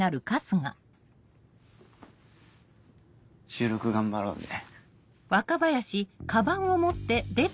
収録頑張ろうぜ。